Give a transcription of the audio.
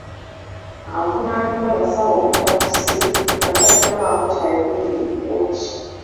Avunaanibwa yasaba omutapusi nga tannabaako ky'ayogera eri kkooti.